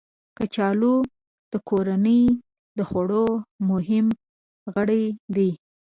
کچالو د کورنۍ د خوړو مهم غړی دی